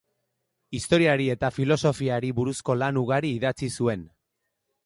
Historiari eta filosofiari buruzko lan ugari idatzi zuen.